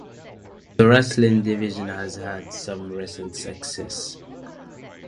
The wrestling division has had some recent success.